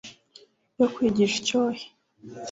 yo kwigisha icyohe,